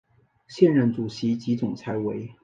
现任主席及总裁为。